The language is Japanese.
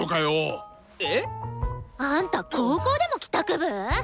えっ！？あんた高校でも帰宅部！？